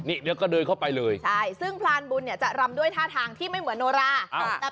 เดี๋ยวก็เดินเข้าไปเลยใช่ซึ่งพรานบุญเนี่ยจะรำด้วยท่าทางที่ไม่เหมือนโนรา